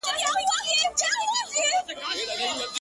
o خو موږ د ګټي کار کي سراسر تاوان کړی دی؛